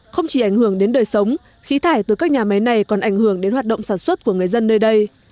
không chỉ ảnh hưởng đến đời sống khí thải từ các nhà máy này còn ảnh hưởng đến hoạt động sản xuất của người dân nơi đây